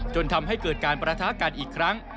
จนทำให้เกิดการประทะกันอีกครั้ง